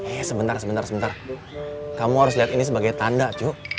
eh sebentar sebentar kamu harus lihat ini sebagai tanda cuk